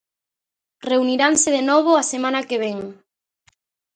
Reuniranse de novo a semana que vén.